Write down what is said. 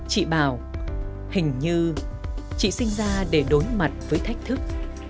hình như chị sinh ra để đối mặt với thách thức